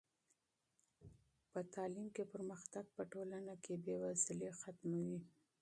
په تعلیم کې پرمختګ په ټولنه کې بې وزلي ختموي.